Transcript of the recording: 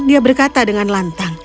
dia berkata dengan lantang